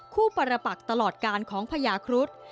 คู่ปรปักตลอดกาลของพญาครุฑ